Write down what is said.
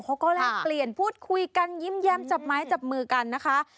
แลกเปลี่ยนพูดคุยกันยิ้มแย้มจับไม้จับมือกันนะคะ